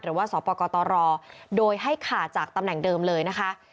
สปกตรโดยให้ขาดจากตำแหน่งเดิมเลยนะคะ